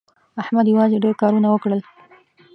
احمد یوازې ډېر کارونه وکړل.